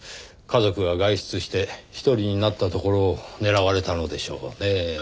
家族が外出して１人になったところを狙われたのでしょうねぇ。